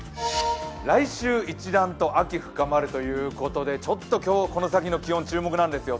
来週、一段と秋深まるということでちょっと今日、この先の気温注目なんですよ。